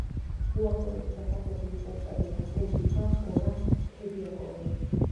უახლოესი დასახლებული პუნქტებია: პუნდუგა, გორა, ფედიაკოვო.